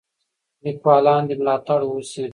لیکوالان دې ملاتړ وسي.